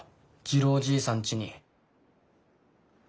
次郎じいさんちに。